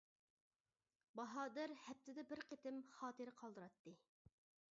باھادىر ھەپتىدە بىر قېتىم خاتىرە قالدۇراتتى.